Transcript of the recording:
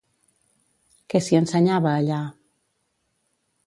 Què s'hi ensenyava allà?